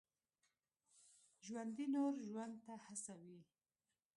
ژوندي نور ژوند ته هڅوي